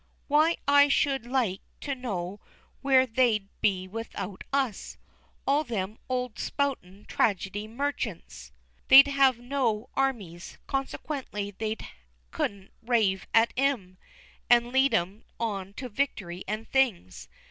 Why I should like to know where they'd be without us all them old spoutin' tragedy merchants! They'd have no armies, consequently they couldn't rave at 'em, and lead 'em on to victory and things.